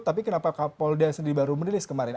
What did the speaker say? tapi kenapa kapolda sendiri baru merilis kemarin